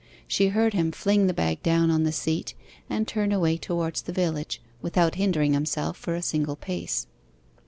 She heard him fling the bag down on the seat, and turn away towards the village, without hindering himself for a single pace.